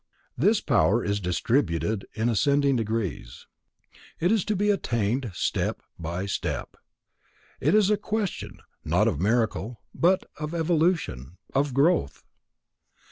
This power is distributed in ascending degrees. It is to be attained step by step. It is a question, not of miracle, but of evolution, of growth.